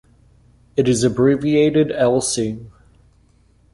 It is abbreviated Lc.